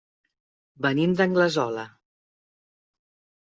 Venim d'Anglesola.